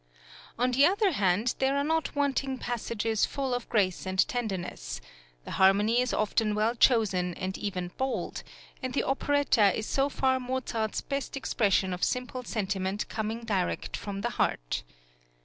On the other hand', there are not wanting passages full of grace and tenderness, the harmony is often well chosen and even bold, and the operetta is so far Mozart's best expression of simple sentiment coming direct from the heart.